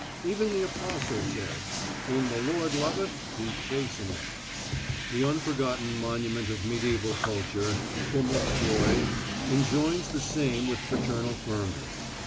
Even the apostle said: 'Whom the Lord loveth He chasteneth.' The unforgotten monument of mediaeval culture Domostroi enjoins the same with paternal firmness.